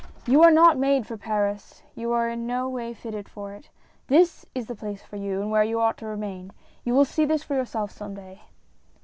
You are not made for Paris, you are in no way fitted for it. This is the place for you, and where you ought to remain. You will see this for yourself, some day."